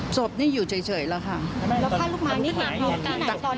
ศพนี่อยู่เฉยแล้วค่ะค่ะแล้วข้าวลูกไม้อยู่ไหนตอนนั้น